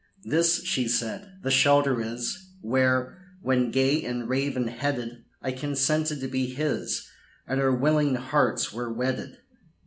"This," she said, "the shelter is, Where, when gay and raven headed, I consented to be his, And our willing hearts were wedded.